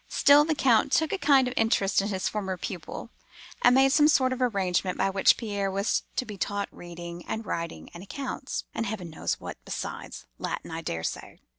Still the Count took a kind of interest in his former pupil; and made some sort of arrangement by which Pierre was to be taught reading and writing, and accounts, and Heaven knows what besides,—Latin, I dare say.